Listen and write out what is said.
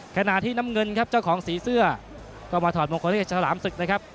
ขณะที่น้ำเงินครับเจ้าของสีเสื้อก็มาถอดมงคลให้กับฉลามศึกนะครับ